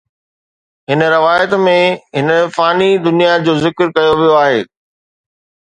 هن روايت ۾ هن فاني دنيا جو ذڪر ڪيو ويو آهي